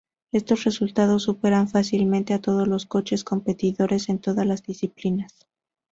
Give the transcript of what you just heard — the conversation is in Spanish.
Estos resultados superaron fácilmente a todos los coches competidores en todas las disciplinas.